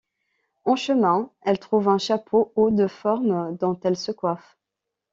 En chemin, elle trouve un chapeau haut-de-forme dont elle se coiffe.